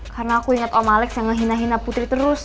karena aku inget om alex yang ngehina hina putri terus